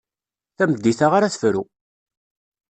Tameddit-a ara tefru.